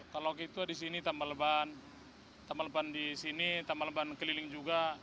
kalau gitu di sini tambal ban tambal ban di sini tambal ban di keliling juga